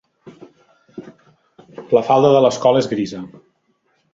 La falda de l'escola és grisa.